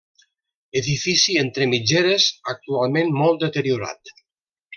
Edifici entre mitgeres, actualment molt deteriorat.